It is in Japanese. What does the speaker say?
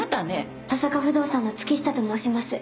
登坂不動産の月下と申します。